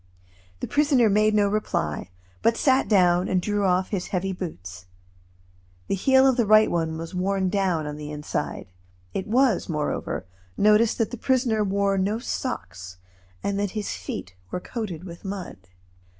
The prisoner made no reply, but sat down and drew off his heavy boots. The heel of the right one was worn down on the inside. It was, moreover, noticed that the prisoner wore no socks, and that his feet were coated with mud.